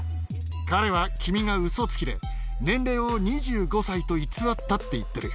彼は君がウソつきで、年齢を２５歳と偽ったって言ってる。